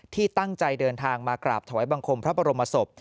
ที่ตั้งใจเดินทางมากราบถวายบังคมพระบรมศพ